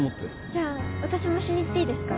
じゃあ私も一緒に行っていいですか？